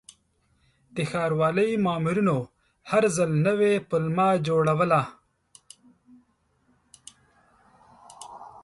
د ښاروالۍ مامورینو هر ځل نوې پلمه جوړوله.